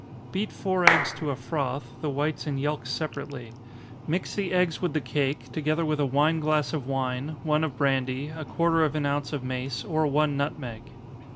Beat four eggs to a froth, the whites and yelks separately mix the eggs with the cake, together with a wine glass of wine, one of brandy, a quarter of an ounce of mace, or one nutmeg.